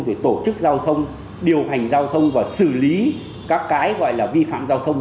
rồi tổ chức giao thông điều hành giao thông và xử lý các cái gọi là vi phạm giao thông